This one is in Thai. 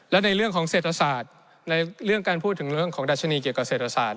และในเรื่องของเศรษฐศาสตร์ในเรื่องการพูดถึงเรื่องของดัชนีเกี่ยวกับเศรษฐศาสต